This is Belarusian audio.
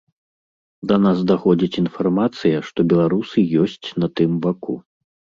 Да нас даходзіць інфармацыя, што беларусы ёсць на тым баку.